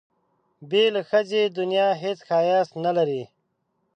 بې له ښځې دنیا هېڅ ښایست نه لري.